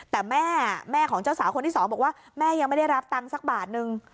แต่แม่แม่ของเจ้าสาวคนที่สองบอกว่าแม่ยังไม่ได้รับตังค์สักบาทนึง